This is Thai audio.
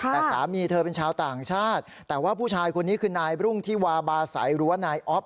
แต่สามีเธอเป็นชาวต่างชาติแต่ว่าผู้ชายคนนี้คือนายรุ่งที่วาบาสัยหรือว่านายอ๊อฟ